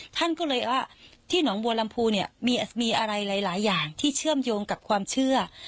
ท่านก็เลยว่าที่หนองบัวลำพูเนี่ยมีอะไรหลายอย่างที่เชื่อมโยงกับความเชื่อ